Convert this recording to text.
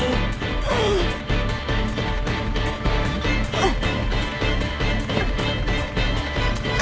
うっ。